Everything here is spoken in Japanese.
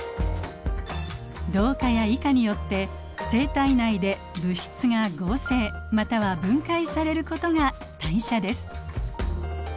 同化や異化によって生体内で物質が合成または分解されることが「代謝」です。